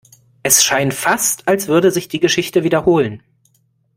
Es scheint fast, als würde sich die Geschichte wiederholen.